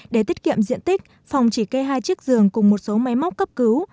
để tiết kiệm diện tích phòng chỉ kê hai chiếc giường cùng một số máy móc cấp cứu